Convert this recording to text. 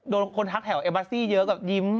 โดนคนทักแถวเอ็มปาซี่เยอะกว่ายิ้ม